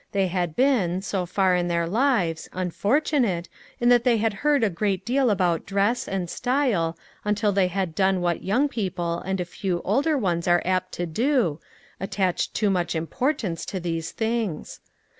They had been, so far in their lives, unfortunate, in that they had heard a great deal about dress, and style, until they had done what 814 LITTLE FISHEKS: AND THEIE NETS. young people and a few older ones are apt to do, attached too much importance to these things.